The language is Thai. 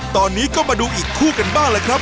ตอนนี้ก็มาดูอีกคู่กันบ้างล่ะครับ